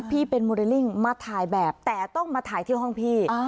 พี่เป็นโมเดลลิ่งมาถ่ายแบบแต่ต้องมาถ่ายที่ห้องพี่